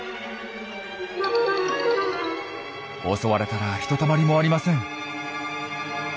襲われたらひとたまりもありません。